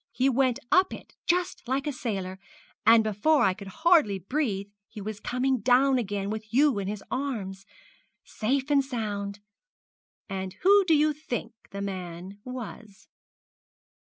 He went up it just like a sailor, and before I could hardly breathe he was coming down again with you in his arms, safe and sound. And who do you think the man was?'